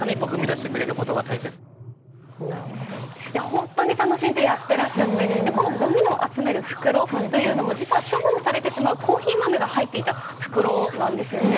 本当に楽しんでやっていらっしゃってこの、ごみを集める袋というのも実は処分されてしまうコーヒー豆が入っていた袋なんですね。